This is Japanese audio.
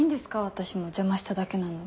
私も邪魔しただけなのに。